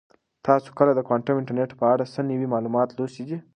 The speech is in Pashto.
تاسو کله د کوانټم انټرنیټ په اړه څه نوي معلومات لوستي دي؟